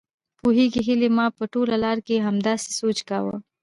پوهېږې هيلې ما په ټوله لار کې همداسې سوچ کاوه.